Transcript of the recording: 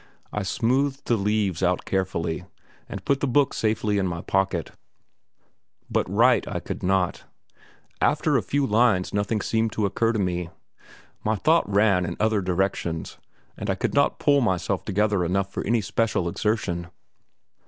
I smoothed the leaves out carefully, and put the book safely into my pocket. But write I could not. After a few lines nothing seemed to occur to me; my thought ran in other directions, and I could not pull myself together enough for any special exertion.